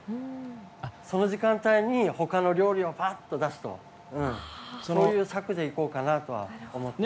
その時間帯に他の料理をパッと出すというそういう策でいこうかなと思っています。